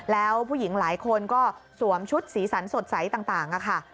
แล้วผู้หญิงหลายคนก็สวมชุดสีสันสดใสต่างค่ะ